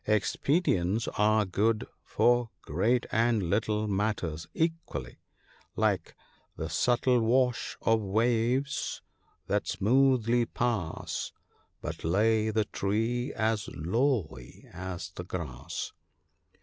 Expe dients are good for great and little matters equally, like "The subtle wash of waves, that smoothly pass, But lay the tree as lowly as the grass.